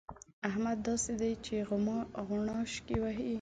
احمد داسې دی چې غوڼاشکې وهي.